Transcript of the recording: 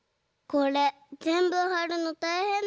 これぜんぶはるのたいへんだよね。